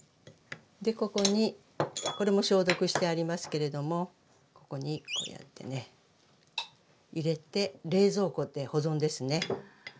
でここにこれも消毒してありますけれどもここにこうやってね入れて冷蔵庫で保存ですね。